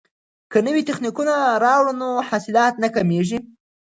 که نوي تخنیکونه راوړو نو حاصلات نه کمیږي.